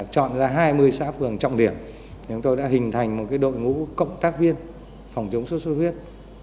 chọn ra hai mươi xã phường trọng điểm chúng tôi đã hình thành một đội ngũ cộng tác viên phòng chống sốt xuất huyết